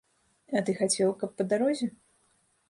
А ты хацеў, каб па дарозе?